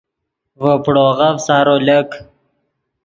ڤے پڑوغف سارو لک